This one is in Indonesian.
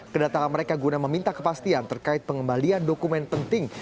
kedatangan mereka guna meminta kepastian terkait pengembalian dokumen penting